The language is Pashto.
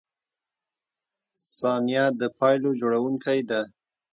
• ثانیه د پایلو جوړونکی ده.